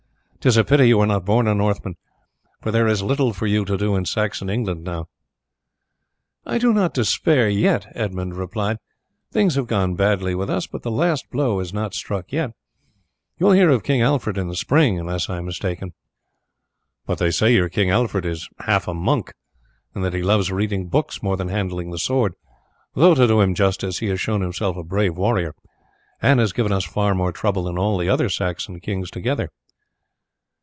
'Tis a pity you were not born a Northman, for there is little for you to do in Saxon England now." "I do not despair yet," Edmund replied. "Things have gone badly with us, but the last blow is not struck yet. You will hear of King Alfred in the spring, unless I am mistaken." "But they say your King Alfred is half a monk, and that he loves reading books more than handling the sword, though, to do him justice, he has shown himself a brave warrior, and has given us far more trouble than all the other Saxon kings together."